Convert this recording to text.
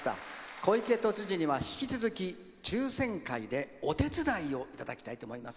小池都知事には引き続き抽せん会でお手伝いをいただきます。